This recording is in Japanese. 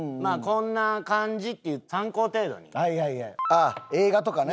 あっ映画とかね。